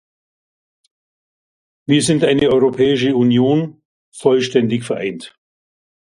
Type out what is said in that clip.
Wir sind eine Europäische Union, vollständig vereint.